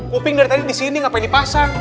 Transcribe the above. kuping dari tadi di sini ngapain dipasang